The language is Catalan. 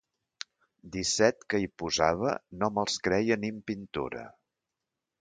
Disset que hi posava no me'ls creia ni en pintura.